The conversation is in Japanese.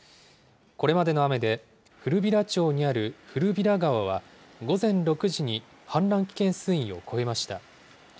これまでの雨で、古平町にある古平川は、午前６時に氾濫危険水位を超えました。